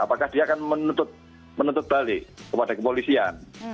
apakah dia akan menuntut balik kepada kepolisian